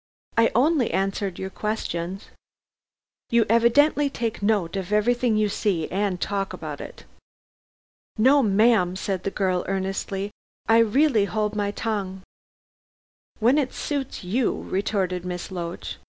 I only answered your questions." "You evidently take note of everything you see, and talk about it." "No, ma'am," said the girl earnestly. "I really hold my tongue." "When it suits you," retorted Miss Loach.